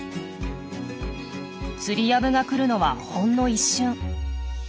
ツリアブが来るのはほんの一瞬。